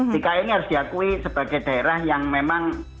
dki ini harus diakui sebagai daerah yang memang